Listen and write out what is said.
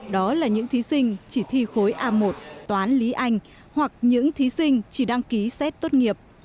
đó là những thí sinh chỉ thi khối a một toán lý anh hoặc những thí sinh chỉ đăng ký xét tốt nghiệp